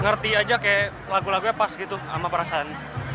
ngerti aja kayak lagu lagunya pas gitu sama perasaan